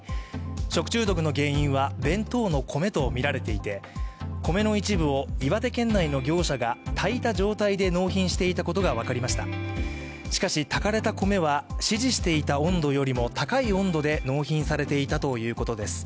食中毒の原因は弁当の米とみられていて米の一部を岩手県内の業者が炊いた状態で納品していたことが分かりましたしかし炊かれた米は、指示していた温度よりも高い温度で納品されていたということです。